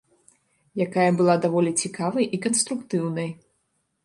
Якая была даволі цікавай і канструктыўнай.